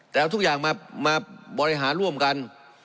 แต่เอาทุกอย่างมาบริหารร่วมกัน